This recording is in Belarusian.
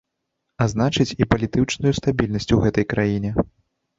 А значыць, і палітычную стабільнасць у гэтай краіне.